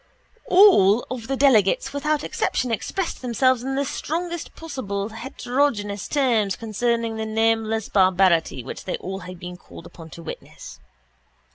All the delegates without exception expressed themselves in the strongest possible heterogeneous terms concerning the nameless barbarity which they had been called upon to witness.